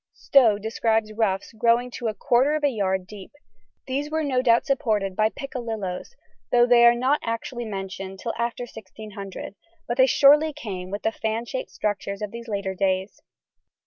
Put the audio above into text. Stow describes ruffs growing to a quarter of a yard deep; these were no doubt supported by piccalilloes, though they are not actually mentioned till after 1600, but they surely came with the fan shaped structures of these later days.